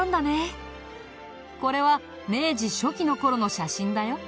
これは明治初期の頃の写真だよ。